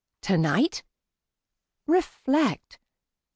tonight? Reflect.